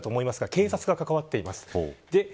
なので、警察が関わっています。